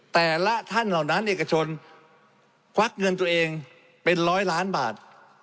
แต่ละท่านเหล่านั้นเอกชนควักเงินตัวเองเป็นร้อยล้านบาท